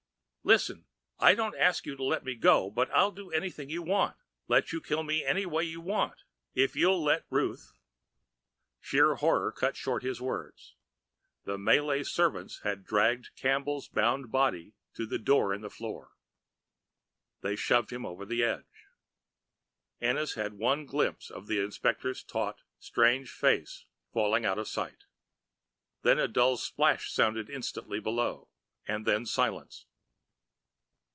"Listen, I don't ask you to let me go, but I'll do anything you want, let you kill me any way you want, if you'll let Ruth " Sheer horror cut short his words. The Malay servants had dragged Campbell's bound body to the door in the floor. They shoved him over the edge. Ennis had one glimpse of the inspector's taut, strange face falling out of sight. Then a dull splash sounded instantly below, and then silence.